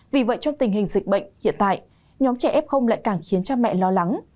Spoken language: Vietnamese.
vì vậy trong tình hình dịch bệnh hiện tại nhóm trẻ f lại càng khiến cha mẹ lo lắng